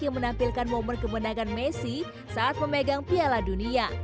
yang menampilkan momen kemenangan messi saat memegang piala dunia